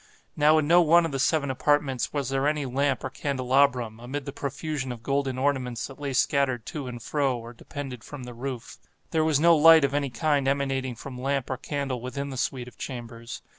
Now in no one of the seven apartments was there any lamp or candelabrum, amid the profusion of golden ornaments that lay scattered to and fro or depended from the roof. There was no light of any kind emanating from lamp or candle within the suite of chambers.